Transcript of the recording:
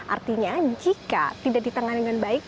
artinya jika tidak ditangani dengan baik